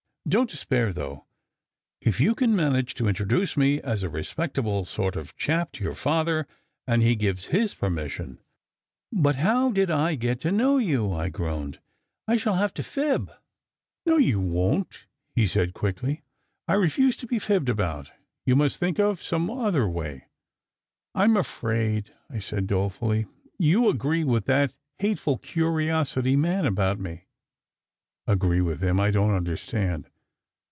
Don t despair though. If you can man age to introduce me as a respectable sort of chap to your father, and he gives his permission " "But how did I get to know you?" I groaned. "I shall have to fib." SECRET HISTORY 23 "No, you won t," he said quickly. " I refuse to be fibbed about. You must think of some other way." "I m afraid," I said dolefully, "you agree with that hate ful curiosity man about me! " "Agree with him? I don t understand."